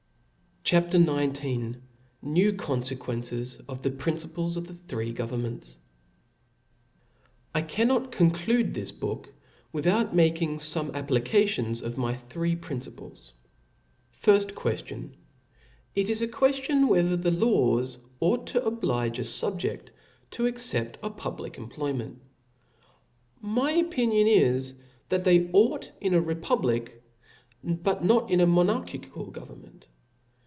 CHAP, XIX. New Confequences of the Principles of the three Governments. T CANNOT conclude this book without mak •*• ing fome applications of my three principles. It is a queftion, whether the laws ought to oblige m Qncf a fubjeit to accept of a public employment. My^*®"* opinion is, that they ought in a republic, but not in a monarchical government.